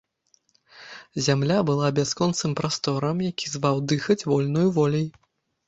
Зямля была бясконцым прасторам, які зваў дыхаць вольнаю воляй.